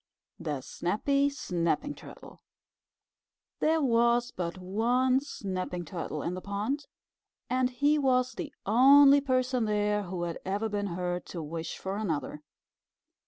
THE SNAPPY SNAPPING TURTLE There was but one Snapping Turtle in the pond, and he was the only person there who had ever been heard to wish for another.